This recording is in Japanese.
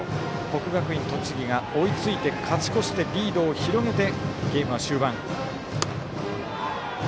国学院栃木が追いついて勝ち越してリードを広げてゲームは終盤。